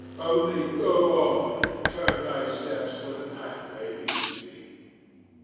Only go on, and turn thy steps where the pathway leads thee.'